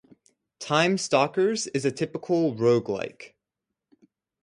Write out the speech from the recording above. Time Stalkers is a typical Roguelike.